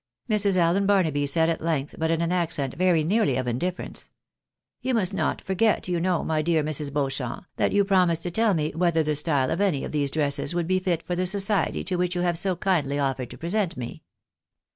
Mrs. Allen Barnaby said at length, but in an accent very nearly of indifference ^—" You must not forget, you know, my dear Mrs. Beauchamp, that you promised to tell me whether the style of any of these dresses would be fit for the society to which you have so kindly offered to present me."